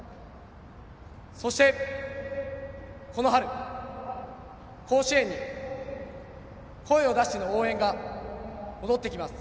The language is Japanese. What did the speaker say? そして、この春甲子園に声を出しての応援が戻ってきます。